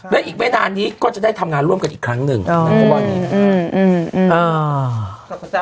และอีกเวลานี้ก็จะได้ทำงานร่วมกันอีกครั้งหนึ่งอ๋ออืมอืมอืมอ๋อ